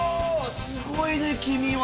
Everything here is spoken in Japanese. すごいね君は。